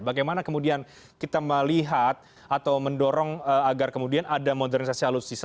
bagaimana kemudian kita melihat atau mendorong agar kemudian ada modernisasi alutsista